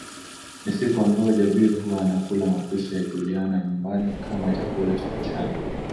Ni siku ambayo Jabir huwa anakula mapishi ya Juliana nyumbani kama chakula cha mchana